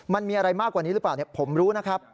มันมีอะไรมากกว่านี้หรือเปล่าผมรู้นะครับ